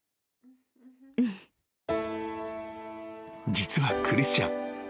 ［実はクリスチャン。